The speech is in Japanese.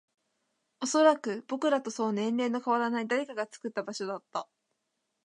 おそらく、僕らとそう年齢の変わらない誰かが作った場所だった